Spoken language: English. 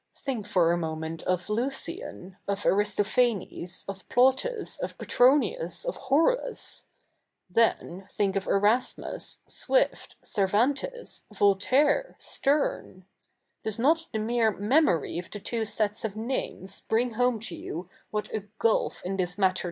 Think for a moment of Lucian, of Aristophanes, of Plautus, of Petro?iius, of Horace ; then thifik of Ei'asmus, Swift, Cervantes, Voltaire, Sterne. Does not the mere 7nemory of the two sets of names bri?ig ho7?ie to you what a gulf in this matter the?'